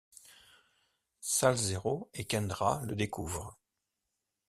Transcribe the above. Salsero et Kendra le découvrent.